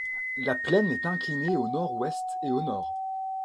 La plaine est inclinée au nord-ouest et au nord.